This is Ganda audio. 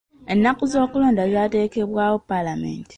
Ennaku z'okulonda zaateekebwawo paalamenti.